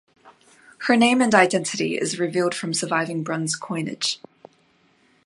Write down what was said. Her name and identity is revealed from surviving bronze coinage.